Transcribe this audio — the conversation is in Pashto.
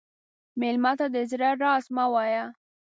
مېلمه ته د زړه راز مه وایه.